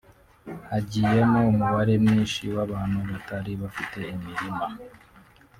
hagiyemo umubare mwinshi w’abantu batari bafite imirima